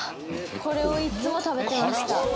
これをいっつも食べてました